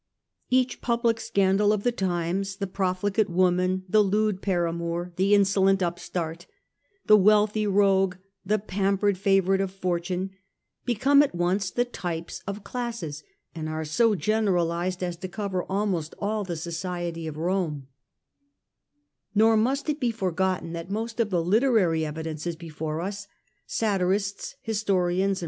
Each public scandal of the times, the profligate woman, the lewd paramour, the insolent up start, the wealthy rogue, the pampered favourite of fortune, become at once the types of classes, and are so generalized as to cover almost all the society ol Rome Moral Standard of the Age, 215 Nor must it be forgotten that most of the literary evidences before us— satirists, historians, and 3.